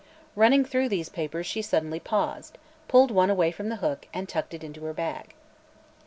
Running through these papers she suddenly paused, pulled one away from the hook and tucked it into her bag.